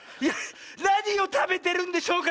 「なにをたべてるんでしょうか」